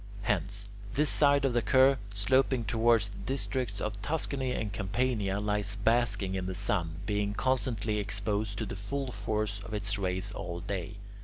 Hence, this side of the curve, sloping towards the districts of Tuscany and Campania, lies basking in the sun, being constantly exposed to the full force of its rays all day.